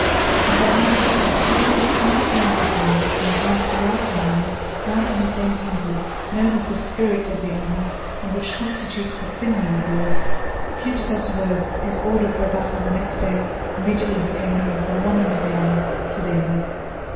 And by means of that mysterious indefinable bond which maintains throughout an army one and the same temper, known as "the spirit of the army," and which constitutes the sinew of war, Kutúzov's words, his order for a battle next day, immediately became known from one end of the army to the other.